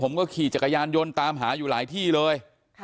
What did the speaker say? ผมก็ขี่จักรยานยนต์ตามหาอยู่หลายที่เลย